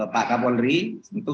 pak kapolri itu